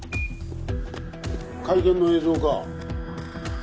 会見の映像か。